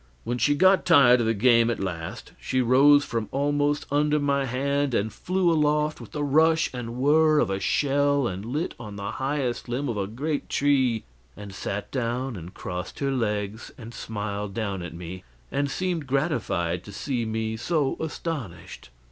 When she got tired of the game at last, she rose from almost under my hand and flew aloft with the rush and whir of a shell and lit on the highest limb of a great tree and sat down and crossed her legs and smiled down at me, and seemed gratified to see me so astonished.